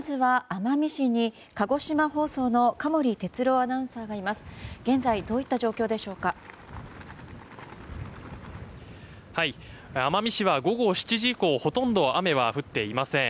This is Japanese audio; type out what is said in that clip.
奄美市は午後７時以降ほとんど雨は降っていません。